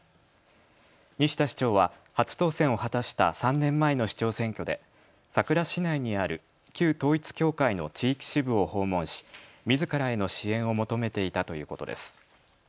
西田市長は初当選を果たした３年前の市長選挙で佐倉市内にある旧統一教会の地域支部を訪問しみずからへの支援を求めていたということです。